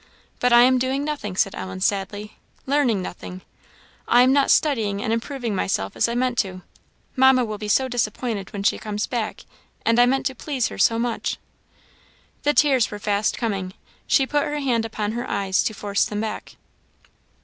But I am doing nothing," said Ellen, sadly "learning nothing I am not studying and improving myself as I meant to; Mamma will be disappointed when she comes back; and I meant to please her so much!" The tears were fast coming; she put her hand upon her eyes to force them back.